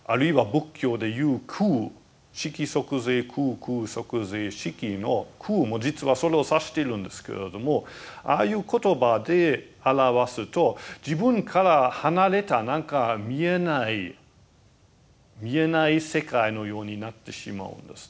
色即是空空即是色の空も実はそれを指しているんですけれどもああいう言葉で表すと自分から離れた何か見えない見えない世界のようになってしまうんですね。